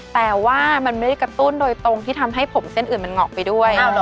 แต่ว่ามันไม่ได้กระตุ้นโดยตรงที่ทำให้ผมเส้นอื่นมันเหงาะไปด้วย